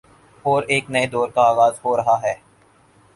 اورایک نئے دور کا آغاز ہو رہاہے۔